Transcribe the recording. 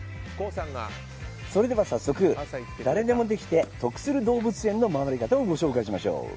それでは早速、誰でもできて得する動物園の回り方をご紹介しましょう。